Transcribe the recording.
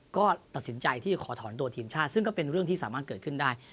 ก็ตัดสินใจที่จะขอถอนตัวทีมชาติซึ่งก็เป็นเรื่องที่สามารถเกิดขึ้นได้